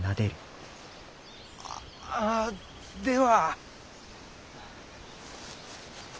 あでは。